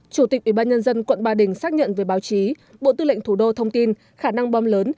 chủ tịch ủy ban nhân dân quận ba đình xác nhận về báo chí bộ tư lệnh thủ đô thông tin khả năng bom lớn